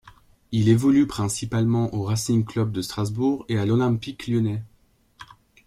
Il évolue principalement au Racing Club de Strasbourg et à l'Olympique lyonnais.